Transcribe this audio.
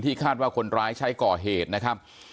คาดว่าคนร้ายใช้ก่อเหตุนะครับ